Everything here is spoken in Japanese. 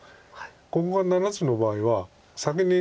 ここが７つの場合は先に。